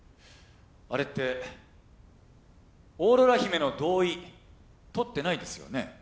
あれってオーロラ姫の同意取ってないですよね。